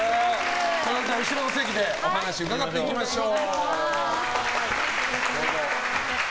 後ろのお席でお話伺っていきましょう。